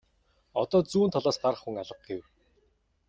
Одоо зүүн талаас гарах хүн алга гэв.